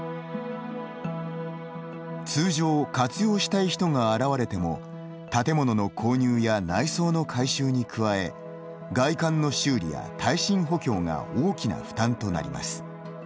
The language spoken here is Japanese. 通常、活用したい人が現れても建物の購入や内装の改修に加え外観の修理や耐震補強が大きな負担となります。